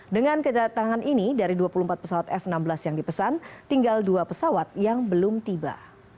dengan kedatangan ini dari dua puluh empat pesawat f enam belas yang dipesan tinggal dua pesawat yang belum tiba